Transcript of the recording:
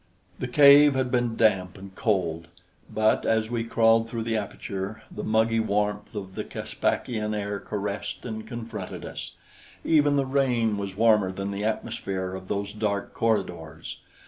The cave had been damp and cold; but as we crawled through the aperture, the muggy warmth of the Caspakian air caressed and confronted us; even the rain was warmer than the atmosphere of those dark corridors.